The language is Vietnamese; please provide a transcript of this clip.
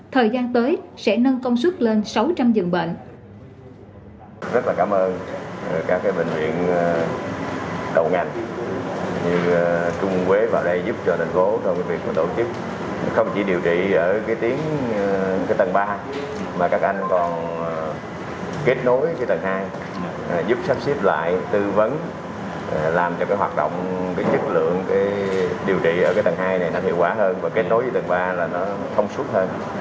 thời gian tới sẽ nâng công suất lên sáu trăm linh dường bệnh